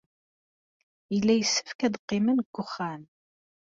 Yella yessefk ad qqimen deg wexxam.